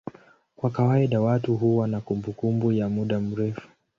Kwa kawaida watu huwa na kumbukumbu ya muda mrefu.